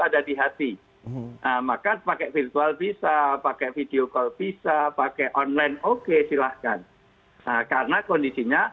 ada di hati maka pakai virtual bisa pakai video call bisa pakai online oke silahkan karena kondisinya